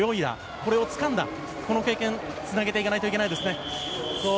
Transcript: これをつかんだ、この経験つないでいかないといけないですね。